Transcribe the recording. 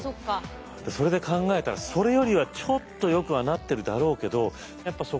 それで考えたらそれよりはちょっとよくはなってるだろうけど労働ですもんね。